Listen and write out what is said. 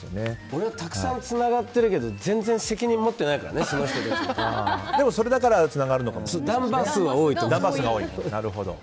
俺はたくさんつながってるけど全然責任持ってないからねでも、それだからつながるのかもしれないですね。